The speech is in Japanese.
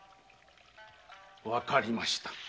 わかりました。